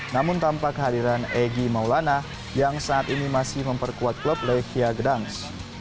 namun tampak hadiran egy maulana yang saat ini masih memperkuat klub legia gdangs